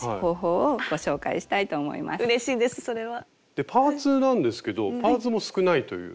でパーツなんですけどパーツも少ないという。